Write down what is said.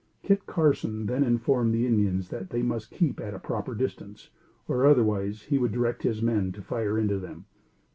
Kit Carson then informed the Indians that they must keep at a proper distance, or otherwise he would direct his men to fire into them.